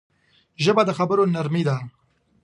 ژبه د خبرو نرمي ده